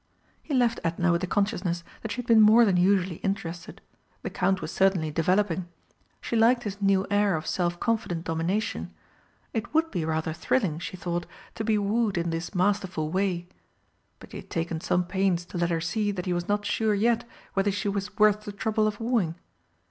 He left Edna with the consciousness that she had been more than usually interested. The Count was certainly developing. She liked his new air of self confident domination. It would be rather thrilling, she thought, to be wooed in this masterful way. But he had taken some pains to let her see that he was not sure yet whether she was worth the trouble of wooing!